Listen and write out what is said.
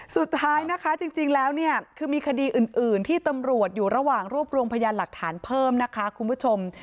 สุดท้ายนะคะจริงแล้วเนี่ยคือมีคดีอื่นที่ตำรวจอยู่ระหว่างรวบรวมพยานหลักฐานเพิ่มนะคะคุณผู้ชม